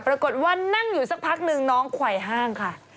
ปรากฏว่านั่งอยู่สักพักนึงน้องไขว่ห้างค่ะ